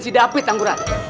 si david angguran